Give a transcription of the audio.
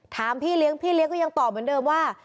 พี่เลี้ยงพี่เลี้ยงก็ยังตอบเหมือนเดิมว่า